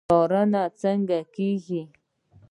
څارنه څنګه کیږي؟